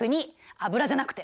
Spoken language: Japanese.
油じゃなくて。